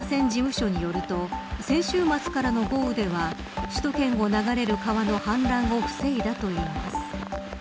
江戸川河川事務所によると先週末からの豪雨では首都圏を流れる川の氾濫を防いでいたといいます。